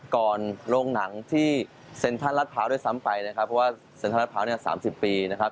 โรงหนังที่เซ็นทรัลรัดพร้าวด้วยซ้ำไปนะครับเพราะว่าเซ็นทรัดพร้าวเนี่ย๓๐ปีนะครับ